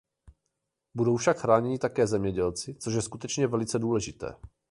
Budou však chráněni také zemědělci, což je skutečně velice důležité.